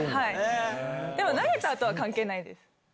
でも投げたあとは関係ないです。